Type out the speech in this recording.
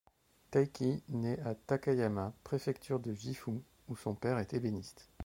Takii naît à Takayama, préfecture de Gifu, où son père est ébéniste.